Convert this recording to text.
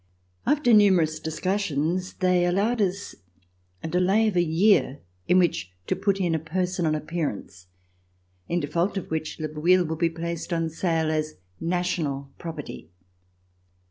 After numerous discussions they allowed us a delay of a year in which to put in a personal appearance, in default of which Le Bouilh would be placed on sale as national property.